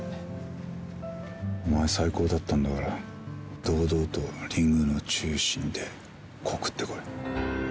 お前最高だったんだから堂々とリングの中心で告ってこい。